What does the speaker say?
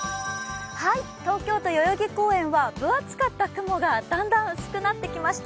東京都代々木公園は分厚かった雲が、だんだん薄くなってきました。